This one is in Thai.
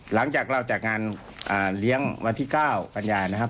หลังจากเราจากงานเลี้ยงวันที่๙กันยานะครับ